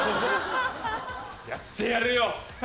やってやるよ！